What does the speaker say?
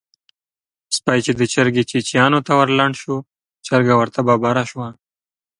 سپی چې د چرګې چیچيانو ته ورلنډ شو؛ چرګه ورته ببره شوه.